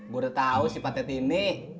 gue udah tahu si patet ini